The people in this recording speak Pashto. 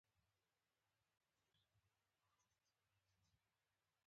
احمدشاه بابا د خپل ملت لپاره سرښندنه کړې ده.